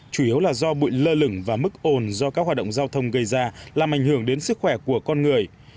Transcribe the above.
chủ yếu là do bụi lơ lửng và mức ồn do các hoạt động giao thông gây ra làm ảnh hưởng đến sức khỏe của con người